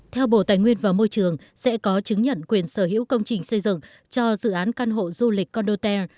theo bộ tài nguyên và môi trường sẽ có chứng nhận quyền sở hữu công trình xây dựng cho dự án căn hộ du lịch condotel